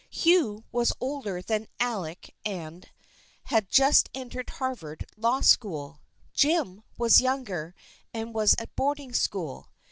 Hugh was older than Alec and had just entered Harvard Law School. Jim was younger and was at boarding school.